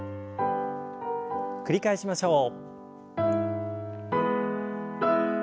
繰り返しましょう。